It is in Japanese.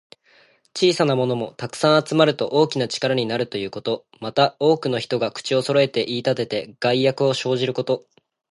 小さなものも、たくさん集まると大きな力になるということ。また、多くの人が口をそろえて言いたてて、害悪を生じること。